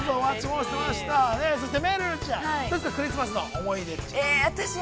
◆そして、めるるちゃん、どうですか、クリスマスの思い出は。